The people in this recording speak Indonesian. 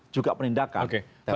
juga penindakan teroris